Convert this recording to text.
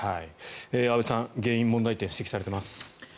安部さん原因、問題点指摘されています。